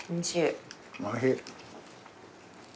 おいしい。